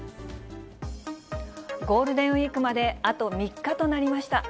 ゴールデンウィークまであと３日となりました。